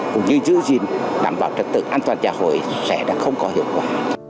cũng như giữ gìn đảm bảo cho tự an toàn nhà hội sẽ không có hiệu quả